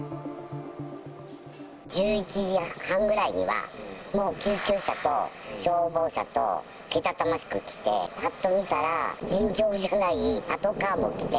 １１時半ぐらいには、もう救急車と消防車と、けたたましく来て、ぱっと見たら、尋常じゃない、パトカーも来て。